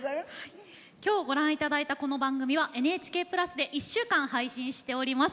今日ご覧頂いたこの番組は「ＮＨＫプラス」で１週間配信しております。